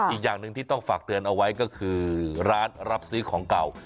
อีกอย่างหนึ่งที่ต้องฝากเตือนเอาไว้ก็คือร้านรับซื้อของเก่า